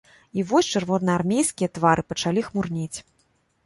І вось чырвонаармейскія твары пачалі хмурнець.